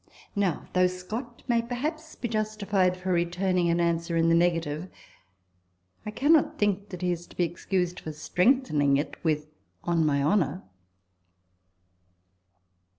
Now, though Scott may perhaps be justified for returning an answer in the negative, I cannot think that he is to be excused for strengthening it with " on my honour."